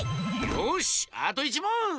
よしあと１もん！